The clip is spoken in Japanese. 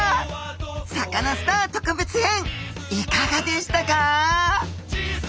「サカナ★スター」特別編いかがでしたか？